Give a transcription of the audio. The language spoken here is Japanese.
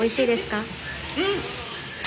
うん！